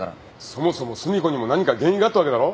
そもそも寿美子にも何か原因があったわけだろ。